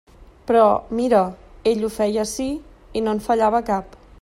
Però, mira, ell ho feia ací i no en fallava cap.